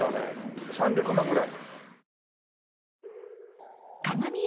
３００万ぐらい？